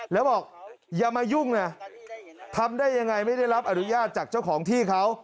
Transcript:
แล้วบอกอย่ามายุ่งนะทำได้ยังไงไม่ได้รับอนุญาตจากเจ้าของที่เขา